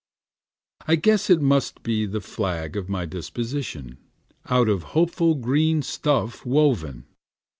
I guess it must be the flag of my disposition, out of hopeful green stuff woven.